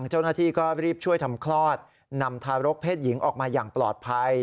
เจ้าหน้าที่ก็รีบช่วยทำคลอดนำทารกเพศหญิงออกมาอย่างปลอดภัย